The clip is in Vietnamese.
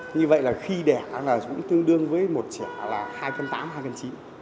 như vậy là khi đẻ là cũng tương đương với một chả là hai cân tám hai cân chín